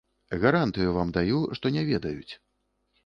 Гарантыю вам даю, што не ведаюць.